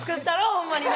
ホンマにな。